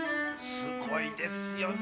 すごいですよね。